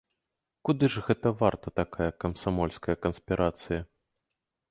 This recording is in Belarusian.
Куды ж гэта варта такая камсамольская канспірацыя!